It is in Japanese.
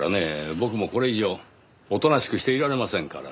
僕もこれ以上おとなしくしていられませんから。